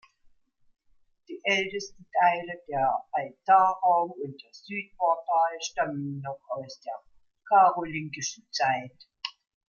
Die ältesten Teile, der Altarraum und das Südportal, stammen noch aus der karolingischen Zeit.